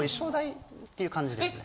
ていう感じですね。